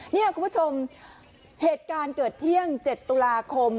นี่คุณผู้ชมเหตุการณ์เกิดเที่ยง๗ตุลาคม